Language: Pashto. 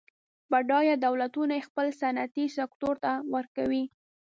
بډایه دولتونه یې خپل صنعتي سکتور ته ورکوي.